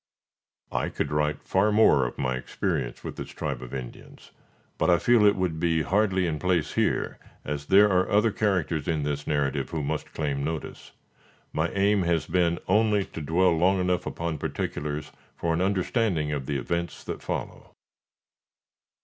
I could write far more of my experience with this tribe of Indians; but I feel it would be hardly in place here, as there are other characters in this narrative who must claim notice. My aim has been only to dwell long enough upon particulars, for an understanding of the events that follow.